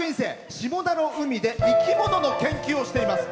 下田の海で生き物の研究をしています。